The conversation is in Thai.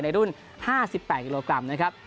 ในรุ่น๕๘กิโลกรัมนะครับ